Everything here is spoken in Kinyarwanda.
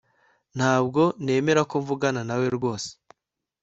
Ntabwo nemera ko mvugana nawe rwose